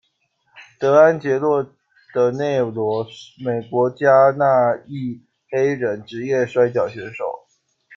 德安杰洛·德内罗，美国加纳裔黑人，职业摔角选手。